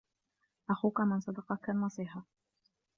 أخوك من صدقك النصيحة